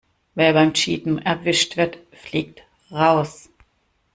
Wer beim Cheaten erwischt wird, fliegt raus.